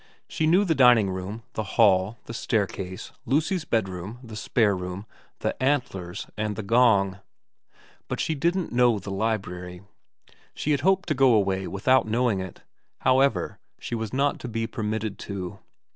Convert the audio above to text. She knew the dining room, the hall, the staircase, Lucy's bedroom, the spare room, the antlers, and the gong ; but she didn't know the library. She had hoped to go away without knowing it. However, she was not to be permitted to.